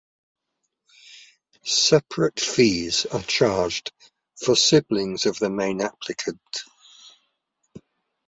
Separate fees are charged for siblings of the main applicant.